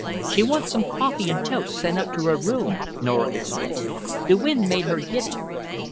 "She wants some coffee and toast sent up to her room." Nora explained. "The wind made her giddy."